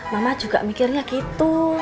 mama juga mikirnya gitu